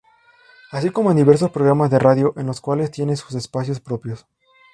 Así como en diversos programas de radio en los cuales tiene sus espacios propios.